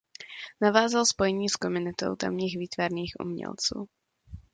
Navázal spojení s komunitou tamních výtvarných umělců.